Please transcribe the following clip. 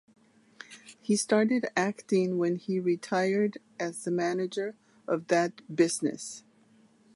He started acting when he retired as the manager of that business.